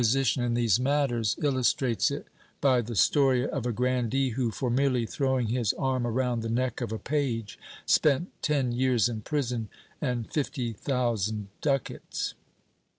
371 sition in these matters, illustrates it by the story of a grandee who, for merely throwing his arm around the neck of a page, spent ten years in prison and fifty thousand ducats.